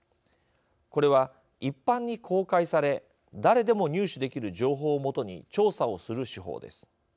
これは、一般に公開され誰でも入手できる情報を基に調査をする手法です。